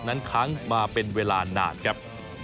ค้างมาเป็นเวลานานครับ